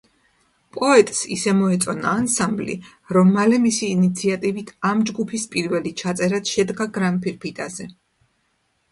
პოეტს ისე მოეწონა ანსამბლი, რომ მალე მისი ინიციატივით ამ ჯგუფის პირველი ჩაწერაც შედგა გრამფირფიტაზე.